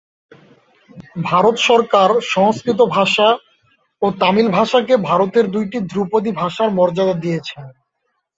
ভারত সরকার সংস্কৃত ভাষা ও তামিল ভাষাকে ভারতের দুইটি ধ্রুপদী ভাষার মর্যাদা দিয়েছেন।